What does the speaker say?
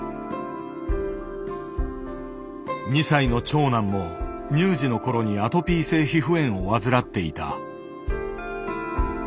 ２歳の長男も乳児の頃にアトピー性皮膚炎を患っていた。